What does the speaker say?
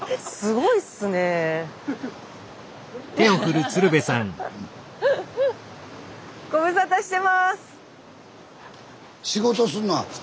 ご無沙汰してます！